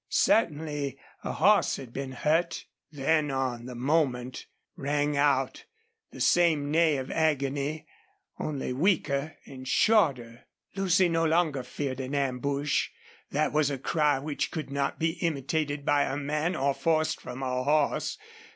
Certainly a horse had been hurt. Then on the moment rang out the same neigh of agony, only weaker and shorter. Lucy no longer feared an ambush. That was a cry which could not be imitated by a man or forced from a horse.